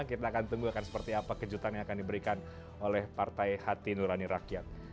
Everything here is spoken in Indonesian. kita akan tunggu akan seperti apa kejutan yang akan diberikan oleh partai hati nurani rakyat